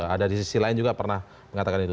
ada di sisi lain juga pernah mengatakan itu